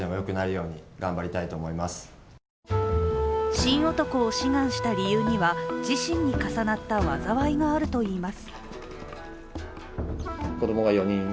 神男を志願した理由については自身に重なった災いがあるといいます。